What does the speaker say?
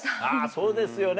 そうですよね